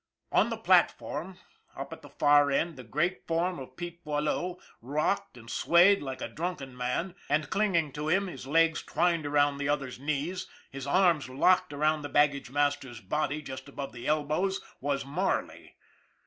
On the platform, up at the far end, the great form of Pete Boileau rocked and swayed like a drunken man, and clinging to him, his legs twined around the other's knees, his arms locked around the baggage master's body just above the elbows was Marley!